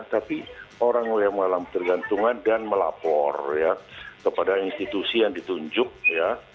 tapi orang yang mengalami ketergantungan dan melapor ya kepada institusi yang ditunjuk ya